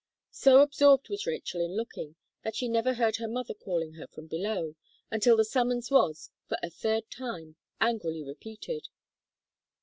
So absorbed was Rachel in looking, that she never heard her mother calling her from below, until the summons was, for a third time, angrily repeated.